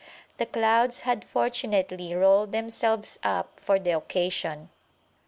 The clouds had fortunately rolled themselves up for the occasion.